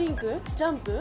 ジャンプ？